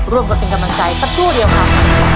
ร่วมกันเป็นกำลังใจสักครู่เดียวครับ